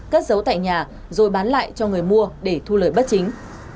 cất giấu tại nhà rồi bán lại cho người mua để thu lời bất chính